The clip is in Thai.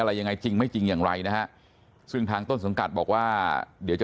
อะไรยังไงจริงไม่จริงอย่างไรนะฮะซึ่งทางต้นสังกัดบอกว่าเดี๋ยวจะ